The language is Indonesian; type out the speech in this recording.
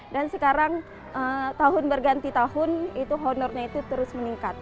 dan sekarang tahun berganti tahun honornya itu terus meningkat